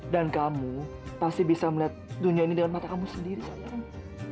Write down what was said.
kamu pasti bisa melihat dunia ini dalam mata kamu sendiri sayang